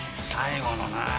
最後のな。